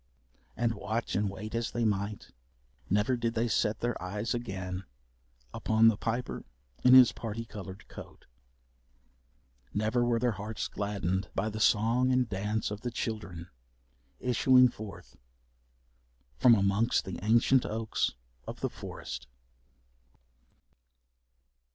And watch and wait as they might, never did they set their eyes again upon the Piper in his parti coloured coat. Never were their hearts gladdened by the song and dance of the children issuing forth from amongst the ancient oaks of the forest.